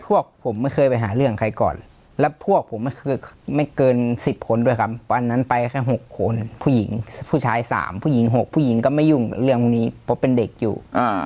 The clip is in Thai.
พวกผมไม่เคยไปหาเรื่องใครก่อนเลยแล้วพวกผมไม่เกิน๑๐คนด้วยครับวันนั้นไปแค่๖คนผู้หญิงผู้ชาย๓ผู้หญิง๖ผู้หญิงก็ไม่ยุ่งเรื่องพวกนี้เพราะเป็นเด็กอยู่